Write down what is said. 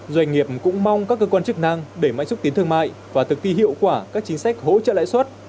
doanh nghiệp cũng mong các cơ quan chức năng để mạnh súc tín thương mại và thực thi hiệu quả các chính sách hỗ trợ lãi suất